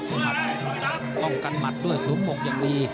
มันหวังกันมาดด้วยสู้ปลพย์อย่างดี